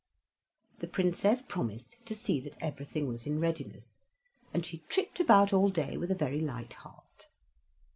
The Princess promised to see that everything was in readiness, and she tripped about all day with a very light heart.